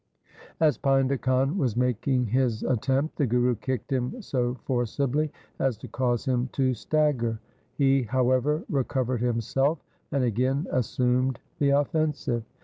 As Painda Khan was making his attempt, the Guru kicked him so forcibly as to cause him to stagger. He, however, recovered himself and again assumed the offensive.